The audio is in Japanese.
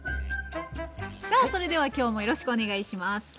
さあそれでは今日もよろしくお願いします。